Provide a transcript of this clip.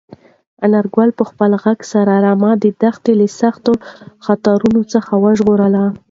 انارګل په خپل غږ سره رمه د دښتې له سختو خطرونو څخه وژغورله.